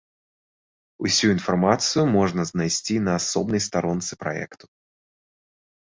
Усю інфармацыю можна знайсці на асобнай старонцы праекту.